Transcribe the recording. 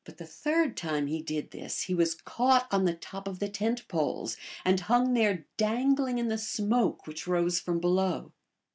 But the third time he did this he was caught on the top of the tent poles, and hung there dangling in the smoke which rose from below.